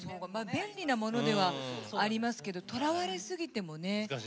便利なものではありますけどとらわれすぎてもね。